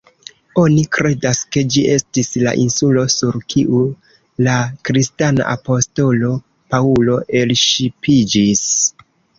Oni kredas ke ĝi estis la insulo sur kiu la kristana apostolo Paŭlo elŝipiĝis.